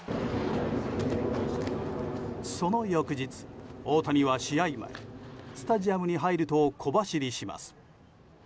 その翌日、大谷は試合前スタジアムに入ると小走りします。